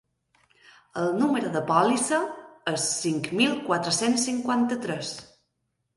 El número de pòlissa és cinc mil quatre-cents cinquanta-tres.